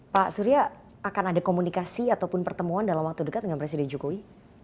pak surya akan ada komunikasi ataupun pertemuan dalam waktu dekat dengan presiden jokowi